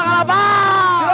ini tempat palsanmu